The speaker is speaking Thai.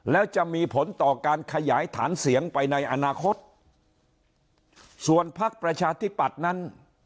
แล้วจะมีผลต่อการขยายฐานเสียงไปในอนาคตส่วนพักประชาธิปัตย์นั้น